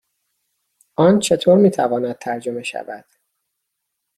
آن چطور می تواند ترجمه شود؟